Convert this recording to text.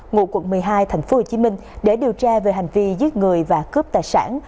ngụ quận một mươi hai tp hcm để điều tra về hành vi giết người và cướp tài sản